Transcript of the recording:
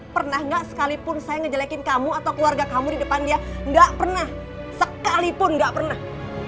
pernah nggak sekalipun saya ngejelekin kamu atau keluarga kamu di depan dia nggak pernah sekalipun nggak pernah